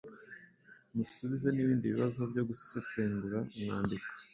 musubize n’ibindi bibazo byo gusesengura umwandiko,